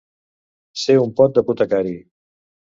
Ser un pot d'apotecari.